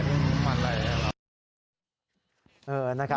เรื่องมันอะไร